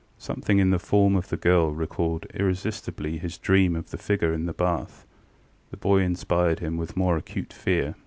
Something in the form of the girl recalled irresistibly his dream of the figure in the bath. The boy inspired him with more acute fear.